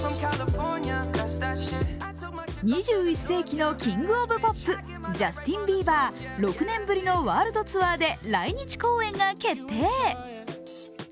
２１世紀のキング・オブ・ポップジャスティン・ビーバー、６年ぶりのワールドツアーで来日公演が決定。